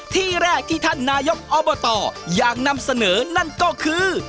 ที่แรกที่ท่านนายกอบตอยากนำเสนอนั่นก็คือ